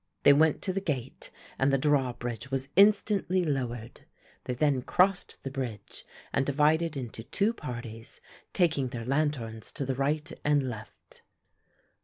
They went to the gate and the drawbridge was instantly lowered. They then crossed the bridge and divided into two parties, taking their lanthorns to the right and left.